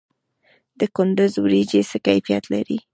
د کندز وریجې څه کیفیت لري؟